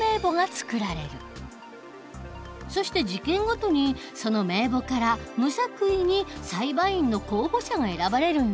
そして事件ごとにその名簿から無作為に裁判員の候補者が選ばれるんだ。